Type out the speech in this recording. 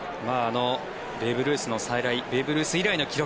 ベーブ・ルースの再来ベーブ・ルース以来の記録